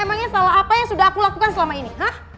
emangnya salah apa yang sudah aku lakukan selama ini